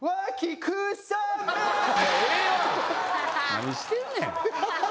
何してんねん！